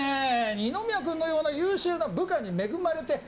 二宮君のような優秀な部下に恵まれて。